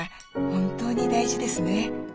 本当に大事ですね。